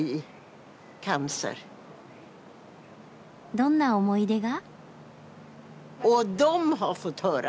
どんな思い出が？